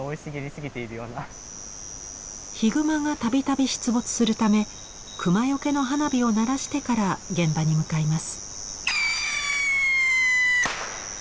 ヒグマが度々出没するためクマよけの花火を鳴らしてから現場に向かいます。